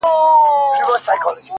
ستا د زلفو په خنجر کي را ايسار دی’